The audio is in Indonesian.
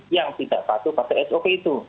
yang tidak patuh pada sop itu